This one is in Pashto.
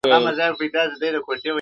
دوه شاهان په یوه ملک کي نه ځاییږي٫